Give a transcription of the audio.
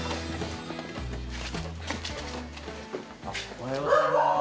おはようございます。